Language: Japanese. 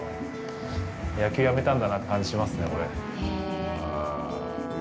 野球、やめたんだなって感じがしますね、これ。